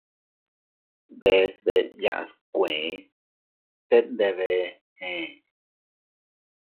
Bees bee yaʼas kuee, tet ndebe ee.